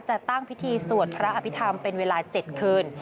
จะตั้งพิธีสวดพระอภิษฐรรมเป็นเวลา๗คืน